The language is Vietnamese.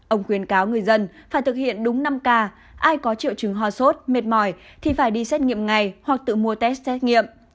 ông khuyên cáo người dân phải thực hiện đúng năm k ai có triệu chứng ho sốt mệt mỏi thì phải đi xét nghiệm ngay hoặc tự mua test xét nghiệm